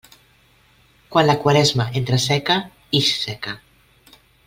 Quan la Quaresma entra seca, ix seca.